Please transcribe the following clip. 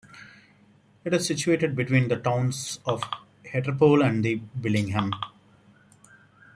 It is situated between the towns of Hartlepool and Billingham.